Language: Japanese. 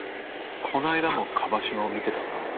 この間も椛島を見てたな。